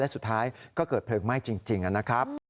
สุดท้ายก็เกิดเพลิงไหม้จริงนะครับ